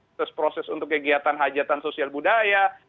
proses proses untuk kegiatan hajatan sosial budaya